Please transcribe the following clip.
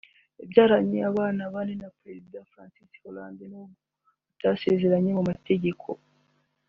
yabyaranye abana bane na Perezida Francois Hollande n’ubwo batasezeranye mu mategeko